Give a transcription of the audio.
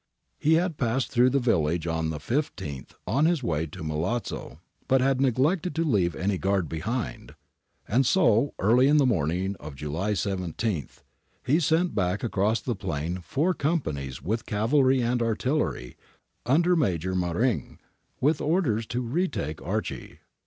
He had passed through the village on the 15th on his way to Milazzo, but had neglected to leave any guard behind. And so, early in the morning of July 17, he sent back across the plain four companies,^ with cavalry and artillery, under Major Maringh, with orders to retake Archi.